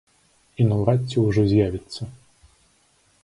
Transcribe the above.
І наўрад ці ўжо з'явіцца.